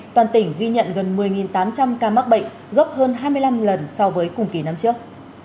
toàn tỉnh ghi nhận gần một mươi tám trăm linh ca mắc bệnh gấp hơn hai mươi năm lần so với cùng kỳ năm trước